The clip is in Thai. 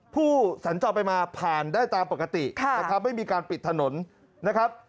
ผู้สัญจอบไปมาผ่านได้ตามปกติและทำให้มีการปิดถนนนะครับ